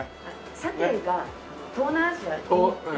サテが東南アジア。